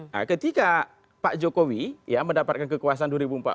nah ketika pak jokowi ya mendapatkan kekuasaan dua ribu empat belas